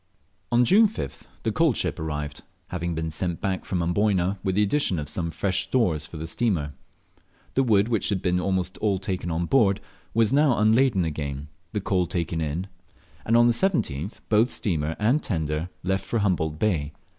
On June 5th, the coal ship arrived, having been sent back from Amboyna, with the addition of some fresh stores for the steamer. The wood, which had been almost all taken on board, was now unladen again, the coal taken in, and on the 17th both steamer and tender left for Humboldt Bay.